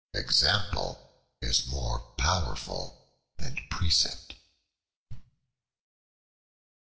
Example is more powerful than precept.